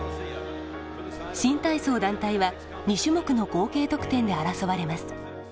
新体操団体は２種目の合計得点で争われます。